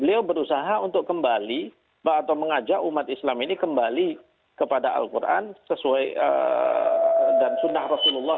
beliau berusaha untuk kembali atau mengajak umat islam ini kembali kepada al quran sesuai dan sunnah rasulullah